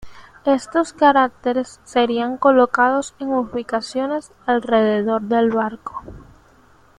Estos caracteres serían colocados en ubicaciones alrededor del barco.